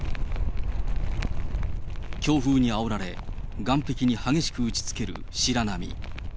強風にあおられ、岸壁に激しく打ちつける白波。